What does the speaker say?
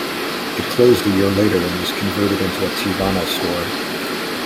It closed a year later and was converted into a Teavana store.